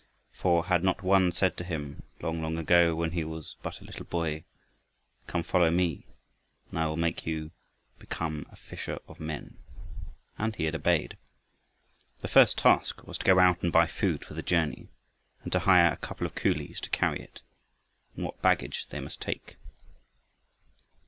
For had not One said to him, long long ago when he was but a little boy, "Come follow me, and I will make you to become a fisher of men"? and he had obeyed. The first task was to go out and buy food for the journey, and to hire a couple of coolies to carry it and what baggage they must take.